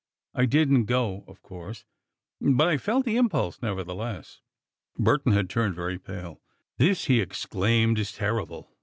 I didn't go, of course, but I felt the impulse, nevertheless." Burton had turned very pale. "This," he exclaimed, "is terrible!